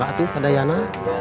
bapak itu sadayana